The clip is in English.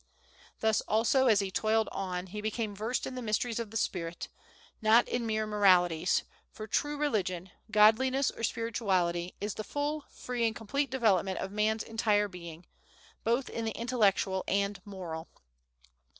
Thus, also, as he toiled on he became versed in the mysteries of the spirit, not in mere moralities for true religion, godliness or spirituality, is the full, free, and complete development of man's entire being, both in the intellectual and moral.